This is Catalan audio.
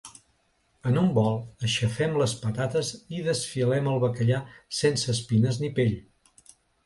En un bol, aixafem les patates i desfilem el bacallà sense espines ni pell.